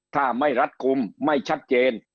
ถ้าไม่รัดกลุ่มไม่ชัดเจน